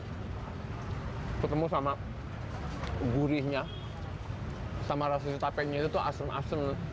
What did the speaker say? tetapi ketemu sama gurihnya rasa tapainya itu asem asem